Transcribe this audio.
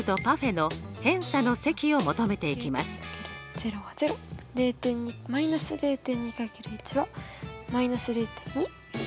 ０は０。−０．２×１＝−０．２。